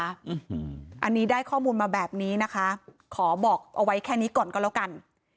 อันนี้ได้ข้อมูลมาแบบนี้นะคะขอบอกเอาไว้แค่นี้ก่อนก็แล้วกัน